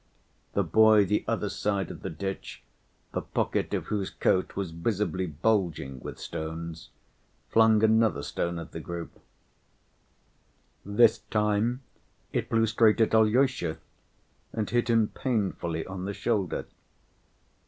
The boy the other side of the ditch, the pocket of whose coat was visibly bulging with stones, flung another stone at the group; this time it flew straight at Alyosha and hit him painfully on the shoulder.